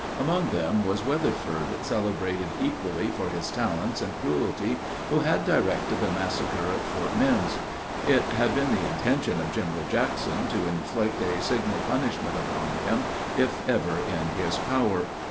Among them was Weatherford, celebrated equally for his talents and cruelty, who had directed the massacre at Fort Mimms. It had been the intention of General Jackson, to inflict a signal punishment upon him, if ever in his power.